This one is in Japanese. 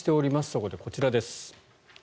そこでこちらです。